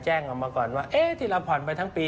แจ้งออกมาก่อนว่าเอ๊ะที่เราผ่อนไปทั้งปี